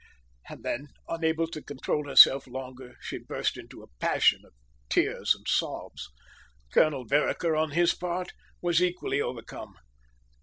And then, unable to control herself longer, she burst into a passion of tears and sobs. Colonel Vereker, on his part, was equally overcome.